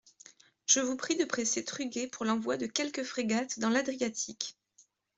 Je vous prie de presser Truguet pour l'envoi de quelques frégates dans l'Adriatique.